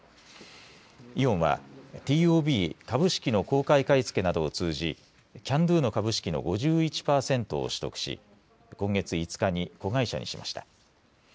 イオンはＴＯＢ株式の公開買い付けなどを通じキャンドゥの株式の５１パーセントを取得し今月５日に子会社にしました。